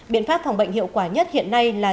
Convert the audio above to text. biện pháp phòng bệnh hiệu quả nhất hiện nay là